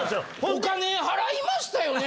お金払いましたよね？